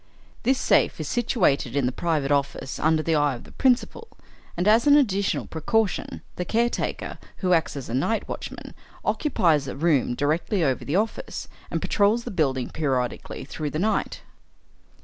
This safe is situated in the private office under the eye of the principal, and, as an additional precaution, the caretaker, who acts as night watchman, occupies a room directly over the office, and patrols the building periodically through the night.